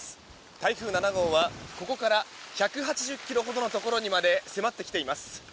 台風７号はここから１８０ｋｍものところにまで迫ってきています。